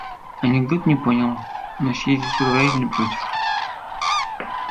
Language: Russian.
Анекдот не понял, но съездить в Израиль не против